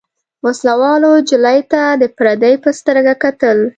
وسله والو نجلۍ ته د پردۍ په سترګه کتل.